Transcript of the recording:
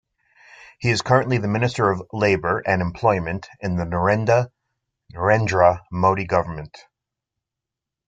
He is currently the Minister of Labour and Employment in the Narendra Modi Government.